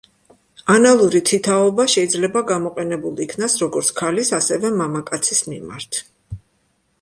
ანალური თითაობა შეიძლება გამოყენებულ იქნას როგორც ქალის ასევე მამაკაცის მიმართ.